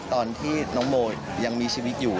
ตอนที่น้องโมยังมีชีวิตอยู่